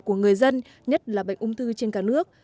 của người dân nhất là bệnh ung thư trên cả nước